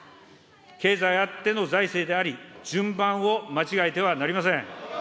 経済あっての財政であり、順番を間違えてはなりません。